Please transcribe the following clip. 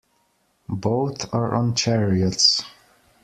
Both are on chariots.